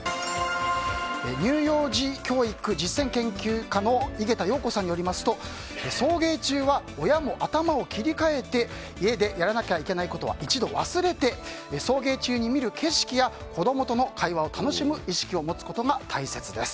乳幼児教育実践研究家の井桁容子さんによりますと送迎中は親も頭を切り替えて家でやらなきゃいけないことは一度忘れて、送迎中に見る景色や子供との会話を楽しむ意識を持つことが大切です。